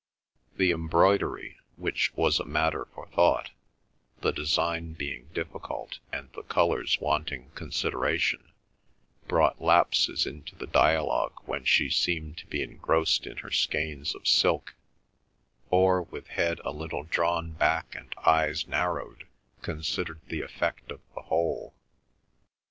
The embroidery, which was a matter for thought, the design being difficult and the colours wanting consideration, brought lapses into the dialogue when she seemed to be engrossed in her skeins of silk, or, with head a little drawn back and eyes narrowed, considered the effect of the whole.